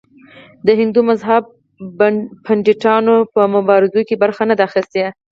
د هندو مذهب پنډتانو په مبارزو کې برخه نه ده اخیستې.